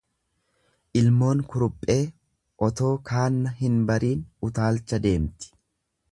lImoon kuruphee otoo kaanna hin bariin utaalcha deemti.